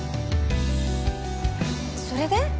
それで？